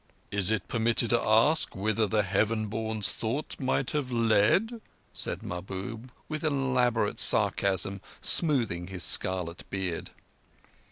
"Is it permitted to ask whither the Heaven born's thought might have led?" said Mahbub, with an elaborate sarcasm, smoothing his scarlet beard.